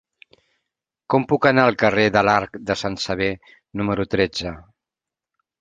Com puc anar al carrer de l'Arc de Sant Sever número tretze?